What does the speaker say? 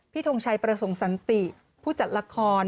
ทงชัยประสงค์สันติผู้จัดละคร